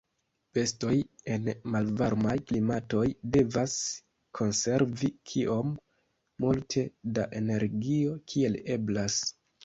Bestoj en malvarmaj klimatoj devas konservi kiom multe da energio kiel eblas.